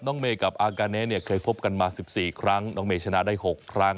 เมย์กับอากาเนเนี่ยเคยพบกันมา๑๔ครั้งน้องเมย์ชนะได้๖ครั้ง